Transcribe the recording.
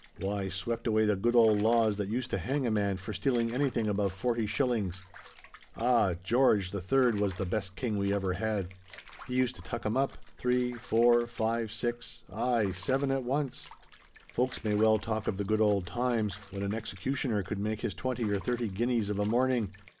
Why swept away the good old laws that used to hang a man for stealing anything above forty shillings. Ah! George the Third was the best king we ever had! He used to tuck 'em up—three, four, five, six—aye, seven at once! Folks may well talk of the good old times—when an executioner could make his twenty or thirty guineas of a morning!